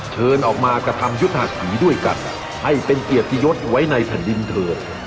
เชิญออกมากระทำยุทธหาผีด้วยกันให้เป็นเกียรติยศไว้ในแผ่นดินเถิด